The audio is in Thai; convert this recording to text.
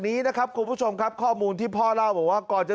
นี้นะครับคุณผู้ชมครับข้อมูลที่พ่อเล่าบอกว่าก่อนจะ